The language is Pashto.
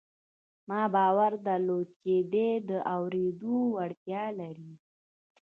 ما باور درلود چې دی د اورېدو وړتیا لري